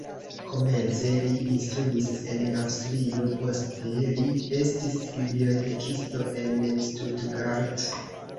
Komence li instruis en Aŭstrio, poste li estis bibliotekisto en Stuttgart.